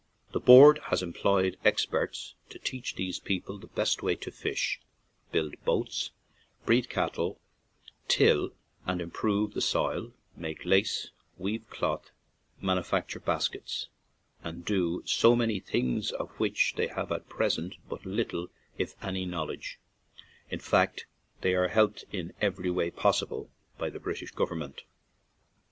The Board has employed experts to teach these peo ple the best way to fish, build boats, breed cattle, till and improve the soil, make lace, weave cloth, manufacture baskets, and do many things of which they have at present but little, if any, knowledge; in fact, they are helped in every possible way by the British gov ernment.